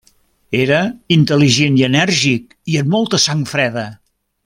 Era intel·ligent i enèrgic i amb molta sang freda.